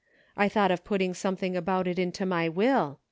I thought of putting something about it into my will.